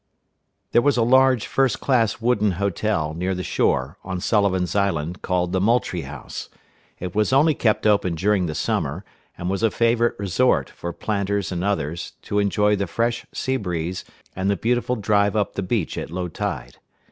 There was a large, first class wooden hotel, near the shore, on Sullivan's Island, called the Moultrie House. It was only kept open during the summer, and was a favorite resort, for planters and others, to enjoy the fresh sea breeze, and the beautiful drive up the beach at low tide.